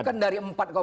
bukan dari empat delapan